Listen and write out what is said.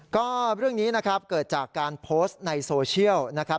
ก็เรื่องนี้นะครับเกิดจากการโพสต์ในโซเชียลนะครับ